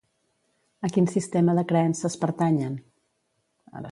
A quin sistema de creences pertanyen?